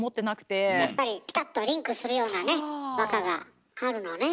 やっぱりピタッとリンクするようなね和歌があるのね。